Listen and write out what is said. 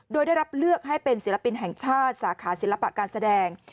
โดยได้รับเลือกให้เป็นศิลปินแห่งชาติสาขาศิลปะการแสดง